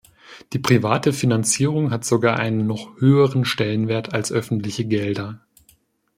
Die private Finanzierung hat sogar einen noch höheren Stellenwert als öffentliche Gelder.